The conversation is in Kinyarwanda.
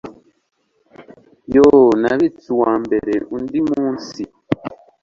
Yoo nabitse uwambere undi munsi